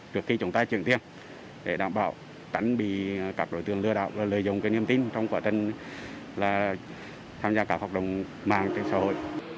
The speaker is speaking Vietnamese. trước khi chúng ta chuyển tiền để đảm bảo đánh bị các đối tượng lừa đảo lợi dụng cái niềm tin trong quả tình là tham gia các hoạt động mạng trên xã hội